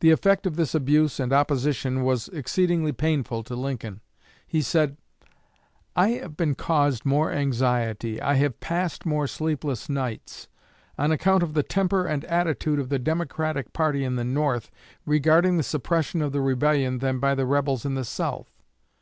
The effect of this abuse and opposition was exceedingly painful to Lincoln. He said: "I have been caused more anxiety, I have passed more sleepless nights, on account of the temper and attitude of the Democratic party in the North regarding the suppression of the rebellion than by the rebels in the South.